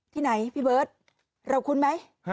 ที่ไหนพี่เบิร์ตเราคุ้นไหม